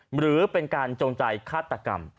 หรือเป็นการจงใจฆาตกรรม